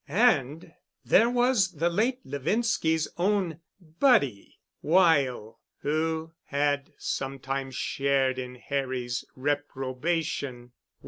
And there was the late Levinski's own "buddy," Weyl, who had sometimes shared in Harry's reprobation.